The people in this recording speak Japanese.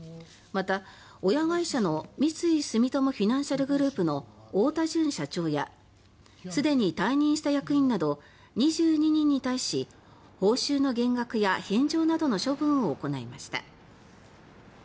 また親会社の三井住友フィナンシャルグループの太田純社長やすでに退任した役員など２２人に対し報酬の減額や返上などの処分を行いました。